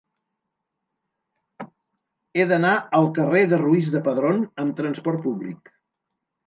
He d'anar al carrer de Ruiz de Padrón amb trasport públic.